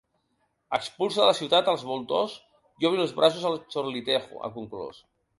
“Expulsa de la ciutat als voltors i obri els braços al chorlitejo”, ha conclòs.